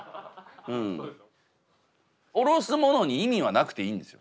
おろすものに意味はなくていいんですよ。